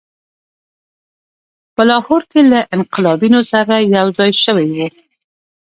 په لاهور کې له انقلابیونو سره یوځای شوی وو.